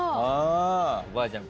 おばあちゃん